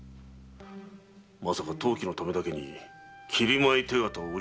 まさか投機のためだけに切米手形を売りさばいて？